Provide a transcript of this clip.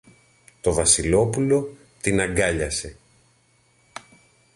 Το Βασιλόπουλο την αγκάλιασε.